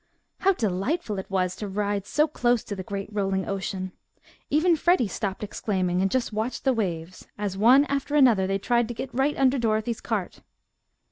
How delightful it was to ride so close to the great rolling ocean! Even Freddie stopped exclaiming, and just watched the waves, as one after another they tried to get right under Dorothy's cart.